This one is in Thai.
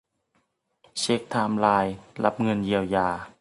เช็กไทม์ไลน์รับเงินเยียวยา